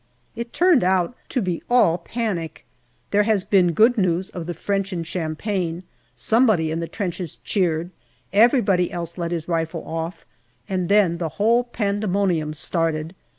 It turned out to be all panic. There has been good news of the French in Champagne ; somebody in the trenches cheered everybody else let his rifle off and then the whole pandemonium started